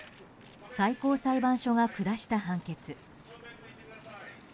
最高裁判所が下した判決。